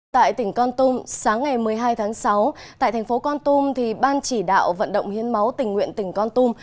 tại tỉnh con tum sáng ngày một mươi hai tháng sáu tại thành phố con tum ban chỉ đạo vận động hiến máu tỉnh nguyện tỉnh con tum